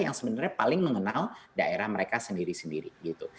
yang sebenarnya paling mengenal daerah mereka sendiri sendiri gitu